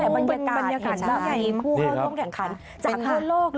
อ๋อบรรยากาศใหญ่พวกเราต้องแข่งขันจากทั่วโลกเลย